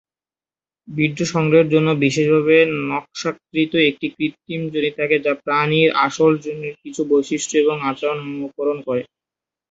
বীর্য সংগ্রহের জন্য বিশেষভাবে নকশাকৃত একটি কৃত্রিম যোনি থাকে, যা প্রাণীর আসল যোনির কিছু বৈশিষ্ট্য এবং আচরণ অনুকরণ করে।